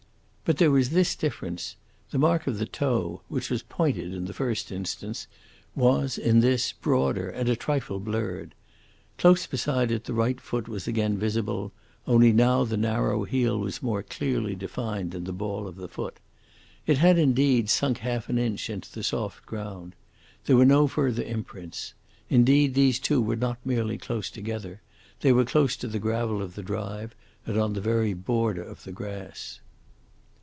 But there was this difference the mark of the toe, which was pointed in the first instance, was, in this, broader and a trifle blurred. Close beside it the right foot was again visible; only now the narrow heel was more clearly defined than the ball of the foot. It had, indeed, sunk half an inch into the soft ground. There were no further imprints. Indeed, these two were not merely close together, they were close to the gravel of the drive and on the very border of the grass.